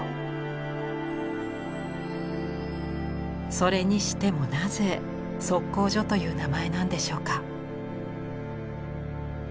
それにしてもなぜ「測候所」という名前なんでしょうか。